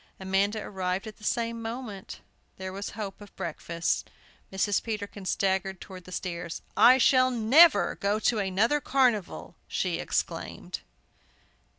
Amanda arrived at the same moment. There was hope of breakfast. Mrs. Peterkin staggered towards the stairs. "I shall never go to another carnival!" she exclaimed.